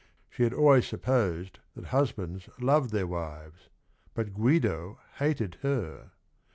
She had always sup posed that husbands loved" thei r wives7 bu t Gu ido hated her.